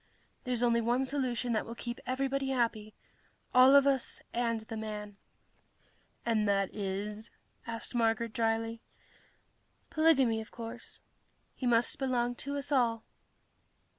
There's only one solution that will keep everybody happy all of us and the man." "And that is...?" asked Marguerite drily. "Polygamy, of course. He must belong to us all."